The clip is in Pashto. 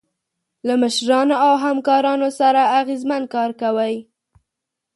له مشرانو او همکارانو سره اغیزمن کار کوئ.